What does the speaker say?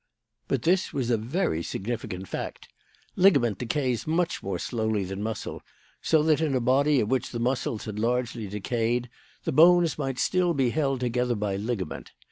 "But this was a very significant fact. Ligament decays much more slowly than muscle, so that in a body of which the muscles had largely decayed the bones might still be held together by ligament.